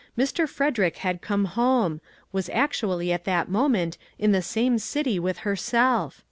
Mr. Frederick had come home ; was actu ally at that moment in the same city with her self.